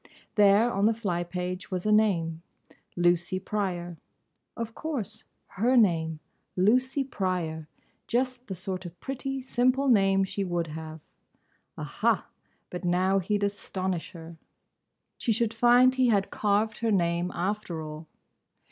There, on the fly page, was a name.—"Lucy Pryor"—Of course! Her name! Lucy Pryor—just the sort of pretty, simple name she would have. Aha! but now he'd astonish her! She should find he had carved her name, after all!